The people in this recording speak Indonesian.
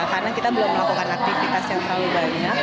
karena kita belum melakukan aktivitas yang terlalu banyak